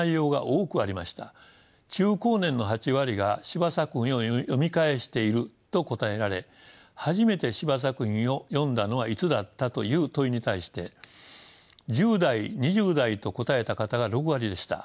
中高年の８割が「司馬作品を読み返している」と答えられ「初めて司馬作品を読んだのはいつだった」という問いに対して１０代２０代と答えた方が６割でした。